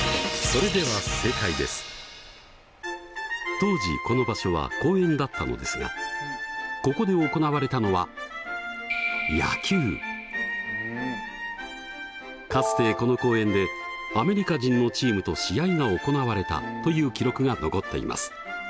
当時この場所は公園だったのですがここで行われたのはかつてこの公園でアメリカ人のチームと試合が行われたという記録が残っています。